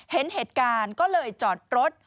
เห็นเหตุการณ์ก็เลยจอดรถ